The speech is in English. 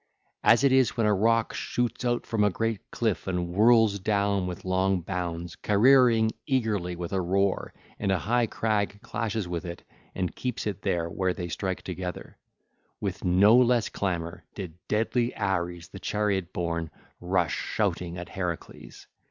As it is when a rock shoots out from a great cliff and whirls down with long bounds, careering eagerly with a roar, and a high crag clashes with it and keeps it there where they strike together; with no less clamour did deadly Ares, the chariot borne, rush shouting at Heracles.